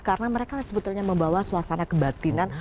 karena mereka sebetulnya membawa suasana kebatinan